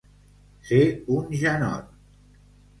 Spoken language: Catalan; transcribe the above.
Ser un janot.